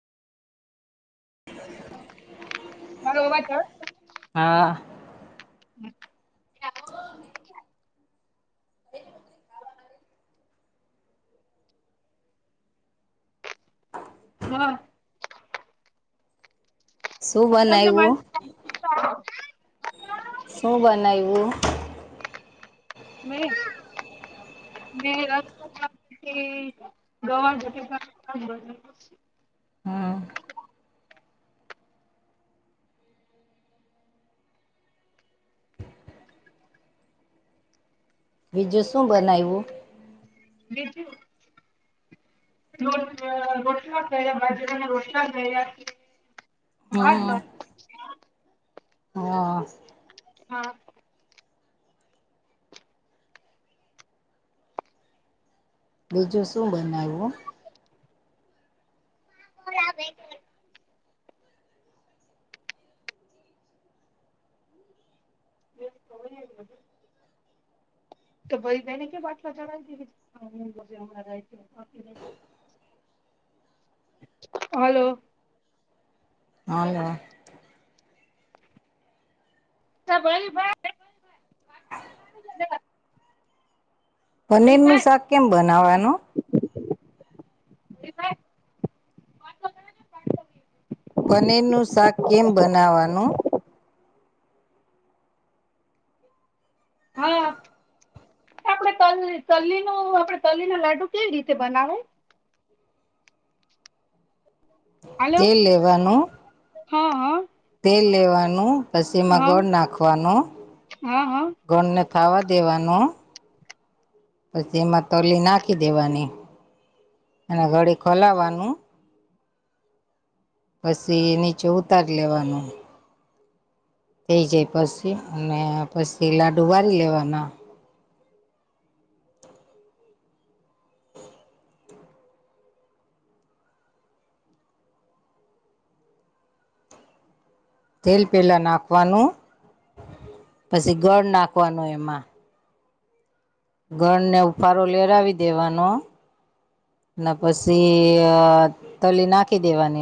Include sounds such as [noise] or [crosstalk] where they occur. હા એવા કર હા. હમ્મ. હો મેરી એની બદલે હા. તમને માન [inaudible] શું બનાવ્યું? મેં? મે રસ બનવિયું છે, ગવાર બટેકા હું શાક બનાવ્યું છે. બીજું શું બનાવ્યું? બીજું? રો અહ રોટલા કર્યા બાજરાના રોટલા કર્યા છે. હ અ. હા. હા. બીજું શું બનાઈવુ? કૉલ આવે છે. તે ખબર નહીં [inaudible] તો ભાઈ બને કે બાટલા ચડાઈ દે [inaudible] હલો. હલો. તા ભાઈ [inaudible] પનીર નું શાક કેમ બનાવાનું? એ. [inaudible] પનીરનું શાક કેમ બનાવવાનું. હા. તલી તલી નુ આપણે તલી ન લાડુ કેવી રીતે બનાવાએ. હાલો તેલ લેવાનું. હા હા. તેલ લેવાનું પછી એમાં હા ગોળ નાખવાનો. હા હા ગોળને થાવા દેવાનું. પછી એમાં તલી નાખી દેવાની અને ઘડી ખોલાવાનું. પછી એ નીચે ઉતાર લેવાનું. થઈ જાય પછી અને પછી લાડુ વારી લેવાના. તેલ પહેલાં નાખવાનું પછી ગોળ નાખવાનું એમાં. ગોને ઉફારો લેવરાવી દેવાનો. ના પછી અ તલી નાખી દેવાની.